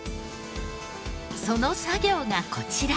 その作業がこちら。